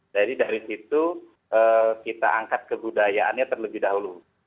jadi dari situ kita angkat kebudayaannya terlebih dahulu